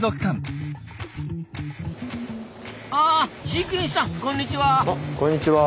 あ飼育員さんこんにちは。